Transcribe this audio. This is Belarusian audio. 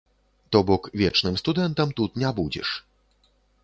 То бок вечным студэнтам тут не будзеш.